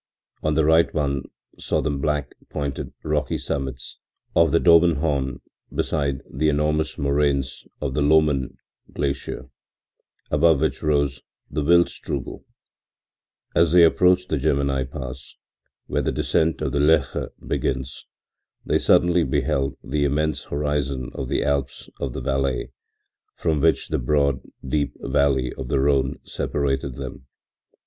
On the right one saw the black, pointed, rocky summits of the Daubenhorn beside the enormous moraines of the Lommern glacier, above which rose the Wildstrubel. As they approached the Gemmi pass, where the descent of Loeche begins, they suddenly beheld the immense horizon of the Alps of the Valais, from which the broad, deep valley of the Rhone separated them.